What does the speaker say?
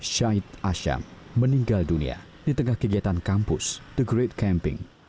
syahid asyam meninggal dunia di tengah kegiatan kampus the great camping